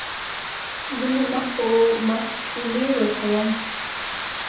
زه مې مخ په مخوچوني وچوم.